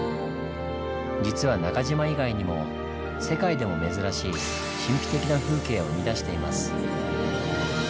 実は中島以外にも世界でも珍しい神秘的な風景を生み出しています。